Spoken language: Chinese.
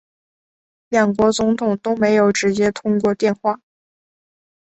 两国总统都没有直接通过电话